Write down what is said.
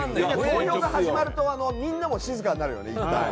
投票が始まるとみんなも静かになるよね、いったん。